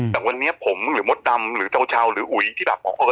แต่วันนี้ผมหรือมดดำหรือเจ้าหรืออุ๋ยที่แบบเออ